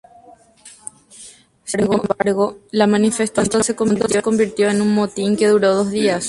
Sin embargo, la manifestación pronto se convirtió en un motín que duró dos días.